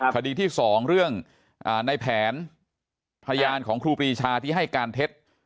คดีที่๒เรื่องในแผนพยานของครูปรีชาที่ให้การเท็จ